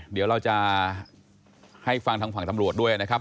เดี๋ยวเราจะให้ฟังทางฝั่งตำรวจด้วยนะครับ